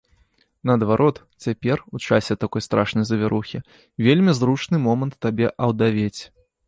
Наадварот, цяпер, у часе такой страшнай завірухі, вельмі зручны момант табе аўдавець.